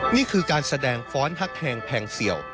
นี่คือการแสดงฟ้อนฮักแฮงแพงเสี่ยว